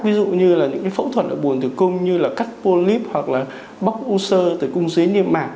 ví dụ như là những cái phẫu thuật ở vùng tử cung như là cắt polip hoặc là bóc ulcer từ cung dưới niêm mạc